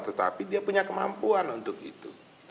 tetapi dia punya kemampuan untuk itu